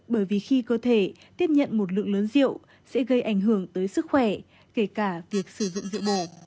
bởi vì khi cơ thể tiếp nhận một lượng lớn rượu sẽ gây ảnh hưởng tới sức khỏe kể cả việc sử dụng rượu bồ